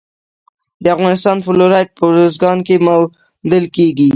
د افغانستان فلورایټ په ارزګان کې موندل کیږي.